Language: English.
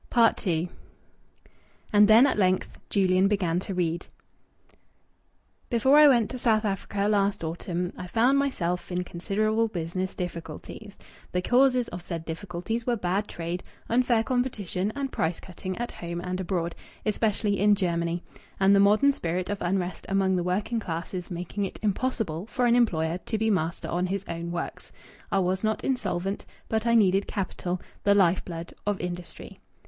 II And then at length Julian began to read "'Before I went to South Africa last autumn I found myself in considerable business difficulties. The causes of said difficulties were bad trade, unfair competition, and price cutting at home and abroad, especially in Germany, and the modern spirit of unrest among the working classes making it impossible for an employer to be master on his own works. I was not insolvent, but I needed capital, the life blood of industry.